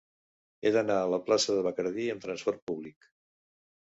He d'anar a la plaça de Bacardí amb trasport públic.